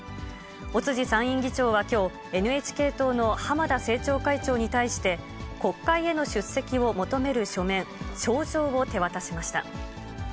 尾辻参院議長はきょう、ＮＨＫ党の浜田政調会長に対して、国会への出席を求める書面、招状を手渡しました。